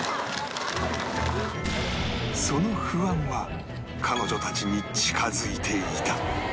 その不安は彼女たちに近付いていた